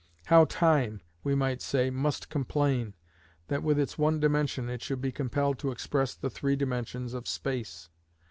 How time, we might say, must complain, that with its one dimension it should be compelled to express the three dimensions of space!